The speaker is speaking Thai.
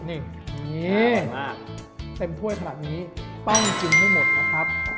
นี่เต็มถ้วยพลังอย่างนี้ต้องกินให้หมดนะครับ